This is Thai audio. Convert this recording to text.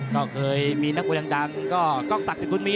ก็เคยมีนักมวยดังก็กล้องศักดิ์สิทธิบุญมี